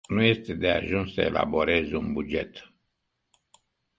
Nu este de ajuns să elaborezi un buget.